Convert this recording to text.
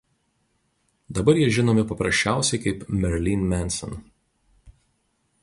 Dabar jie žinomi paprasčiausiai kaip „Marilyn Manson“.